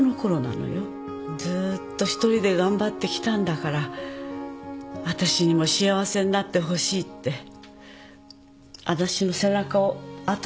ずっと一人で頑張ってきたんだから私にも幸せになってほしいって私の背中を後押ししてくれたの。